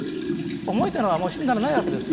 思いというのはもう死んだらないわけですよ。